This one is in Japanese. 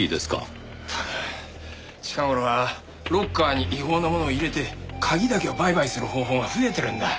近頃はロッカーに違法なものを入れて鍵だけを売買する方法が増えてるんだ。